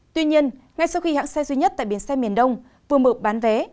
tuy nhiên ngay sau khi hãng xe duy nhất tại bến xe miền đông vừa mở bán vé